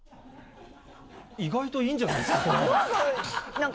意外といいんじゃないですか？